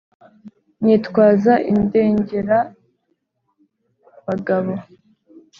nitwaza indengerabagabo.